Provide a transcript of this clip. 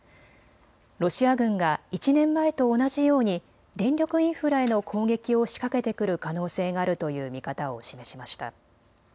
ロシア軍が１年前と同じように電力インフラへの攻撃を仕掛けてくる可能性があるという見方を示しました。